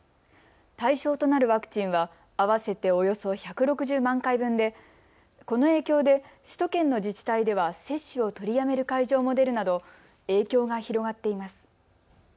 対象となるワクチンは合わせておよそ１６０万回分でこの影響で首都圏の自治体では接種を取りやめる会場も出るなど影響が広がっています。